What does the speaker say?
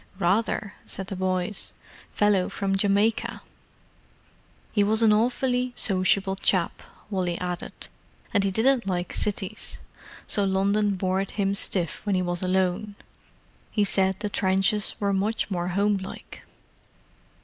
"Rather!" said the boys. "Fellow from Jamaica." "He was an awfully sociable chap," Wally added, "and he didn't like cities. So London bored him stiff when he was alone. He said the trenches were much more homelike."